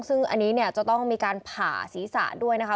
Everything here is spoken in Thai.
ซึ่งอันนี้เนี่ยจะต้องมีการผ่าศีรษะด้วยนะคะ